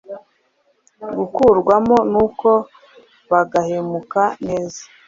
gakurwamo nuko bagahumeka neza.